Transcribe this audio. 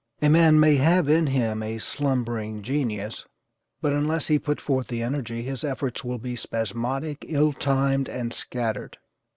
A man may have in him a 'slumbering genius,' but unless he put forth the energy, his efforts will be spasmodic, ill timed and scattered.